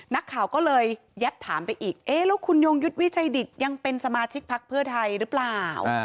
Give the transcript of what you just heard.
นักข่าวก็เลยแยบถามไปอีกเอ๊ะแล้วคุณยงยุทธ์วิชัยดิตยังเป็นสมาชิกพักเพื่อไทยหรือเปล่า